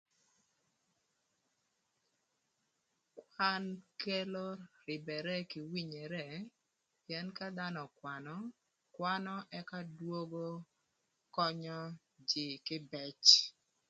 Kwan kelo rïbërë kï winyere pïën ka dhanö ökwanö, kwanö ëka dwongo könyö jïï kï peci.